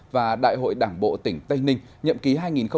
và đại hội đảng bộ tỉnh tây ninh nhậm ký hai nghìn hai mươi hai nghìn hai mươi năm